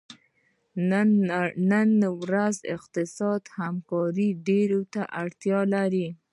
نړۍ نن ورځ اقتصادي همکاریو ته ډیره اړتیا لري